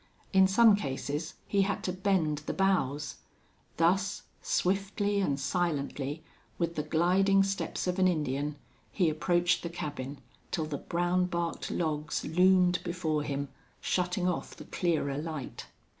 In some cases he had to bend the boughs. Thus, swiftly and silently, with the gliding steps of an Indian, he approached the cabin till the brown barked logs loomed before him, shutting off the clearer light.